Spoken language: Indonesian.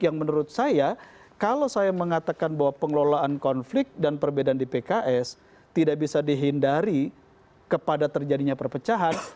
yang menurut saya kalau saya mengatakan bahwa pengelolaan konflik dan perbedaan di pks tidak bisa dihindari kepada terjadinya perpecahan